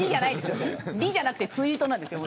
リじゃなくてツイートです。